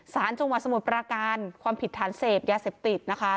สารจังหวัดสมุทรปราการความผิดฐานเสพยาเสพติดนะคะ